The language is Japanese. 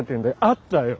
あったよ。